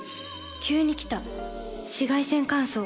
急に来た紫外線乾燥。